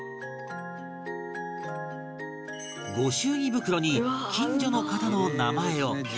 ご祝儀袋に近所の方の名前を